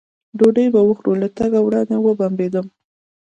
ډوډۍ به وخورو، له تګه وړاندې ومبېدم.